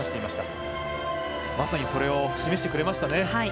まさに、それを示してくれましたね。